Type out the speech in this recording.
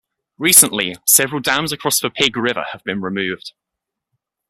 Recently, several dams across the Pigg River have been removed.